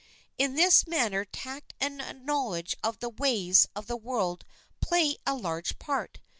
In this matter tact and a knowledge of the ways of the world play a large part.